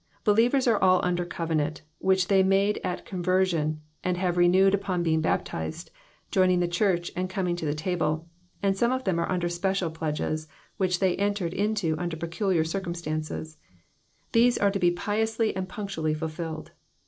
Believers are all under covenant, which they made at conversion, and have renewed upon being bap tised, joining the church, and coming to the table, and some of them are under special pledges which they entered into under peculiar circumstances ; these are to be piously and punctually fulfilled.